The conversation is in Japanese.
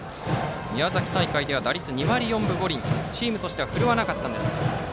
宮崎大会では打率２割４分５厘とチームとしては振るわなかったんですが。